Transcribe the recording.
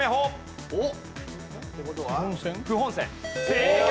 正解！